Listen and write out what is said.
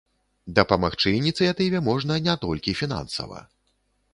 Дапамагчы ініцыятыве можна не толькі фінансава.